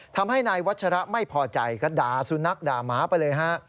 ทำให้นายวัชระไม่พอใจก็ด่าสุนัขด่าหมาไปเลยฮะ